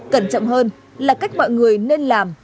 cẩn trọng hơn là cách mọi người nên làm